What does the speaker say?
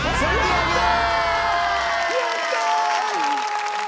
やったー！